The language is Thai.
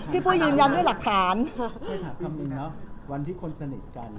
พี่ปุ๊ยยืนยันด้วยหลักฐาน